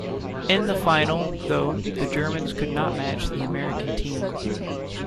In the final, though, the Germans could not match the American team.